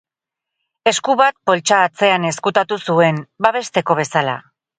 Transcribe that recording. Esku bat poltsa atzean ezkutatu zuen, babesteko bezala.